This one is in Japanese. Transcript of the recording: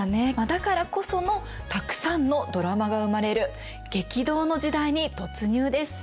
だからこそのたくさんのドラマが生まれる激動の時代に突入です。